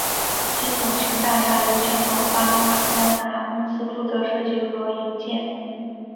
新总行大厦由香港巴马丹拿公司负责设计和营建。